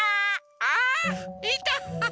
あっいた！